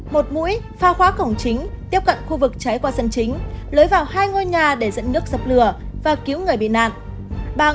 một mũi pha khóa cổng chính tiếp cận khu vực cháy qua sân chính lấy vào hai ngôi nhà để dẫn nước dập lửa và cứu người bị nạn